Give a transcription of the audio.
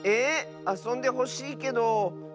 あそんでほしいけどだれ？